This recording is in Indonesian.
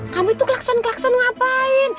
kamu itu kelakson kelakson ngapain